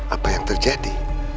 apa yang terjadi